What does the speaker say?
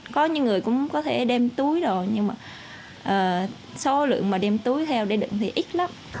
có những người cũng có thể đem túi đồ nhưng mà số lượng mà đem túi theo để định thì ít lắm